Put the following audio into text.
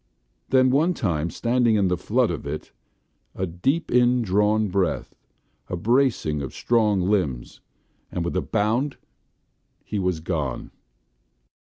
Then one time standing in the flood of it; a deep in drawn breath – a bracing of strong limbs, and with a bound he was gone.